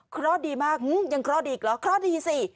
คลอดดีมากยังคลอดอีกเหรอคลอดดีสิ